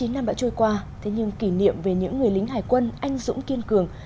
chín mươi năm đã trôi qua thế nhưng kỷ niệm về những người lính hải quân anh dũng kiên cường